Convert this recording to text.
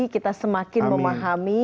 kita semakin memahami